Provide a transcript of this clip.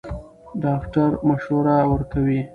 ډاکټره مشوره ورکوي.